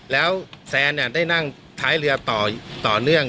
แล้วแซนได้นั่งท้ายเรือต่อเนื่อง